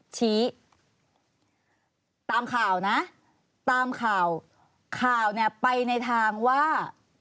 ชี้ตามข่าวนะตามข่าวข่าวเนี่ยไปในทางว่า